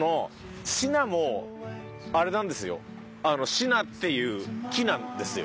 シナっていう木なんですよ。